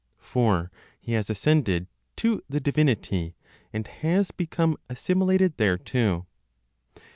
For he has ascended to the divinity, and has become assimilated thereto.